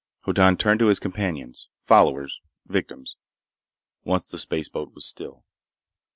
Hoddan turned to his companions—followers—victims, once the spaceboat was still.